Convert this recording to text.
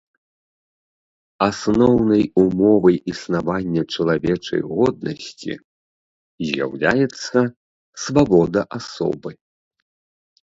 Асноўнай умовай існавання чалавечай годнасці з'яўляецца свабода асобы.